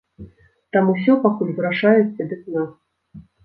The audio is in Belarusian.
Там усё пакуль вырашаецца без нас.